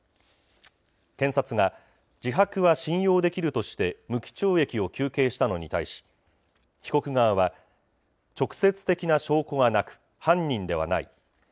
検察が、自白は信用できるとして無期懲役を求刑したのに対し、被告側は、直接的な証拠がなく、犯人ではない。